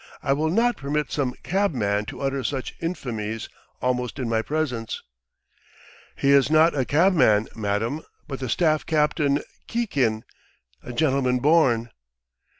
I will not permit some cabman to utter such infamies almost in my presence!" "He is not a cabman, madam, but the staff captain Kikin. ... A gentleman born."